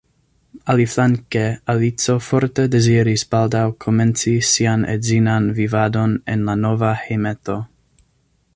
Aliflanke Alico forte deziris baldaŭ komenci sian edzinan vivadon en la nova hejmeto.